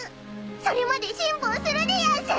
それまで辛抱するでやんす！